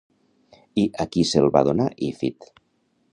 I a qui se'l va donar Ífit?